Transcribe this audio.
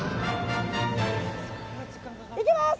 いきます！